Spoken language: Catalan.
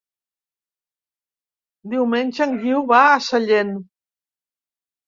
Diumenge en Guiu va a Sallent.